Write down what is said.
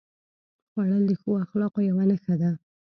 خوړل د ښو اخلاقو یوه نښه ده